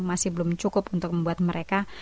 masih belum cukup untuk membuat mereka